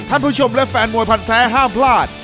คุณผู้ชมและแฟนมวยพันธุ์ไทยห้ามพลาด